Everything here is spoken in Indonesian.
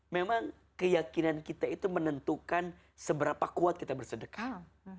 memang keyakinan kita itu menentukan seberapa kuat kita bersedekah